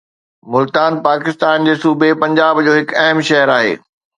ملتان پاڪستان جي صوبي پنجاب جو هڪ اهم شهر آهي